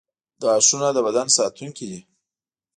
• غاښونه د بدن ساتونکي دي.